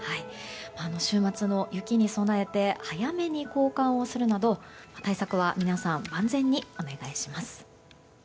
週末の雪に備えて早めに交換をするなど対策は皆さん万全にお願いします。